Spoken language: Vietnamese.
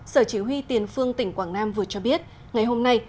sở chỉ huy tiền phương tỉnh quảng nam vừa cho biết ngày hôm nay